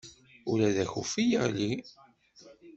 Ula d akufi yeɣli.